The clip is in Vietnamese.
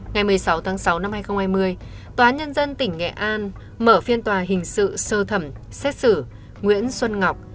ngày một mươi sáu tháng sáu năm hai nghìn hai mươi tòa nhân dân tỉnh nghệ an mở phiên tòa hình sự sơ thẩm xét xử nguyễn xuân ngọc